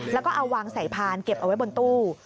แล้วก็เอาวางใส่พานเก็บเอาไว้บนตู้